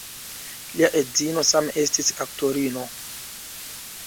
Lia edzino same estis aktorino.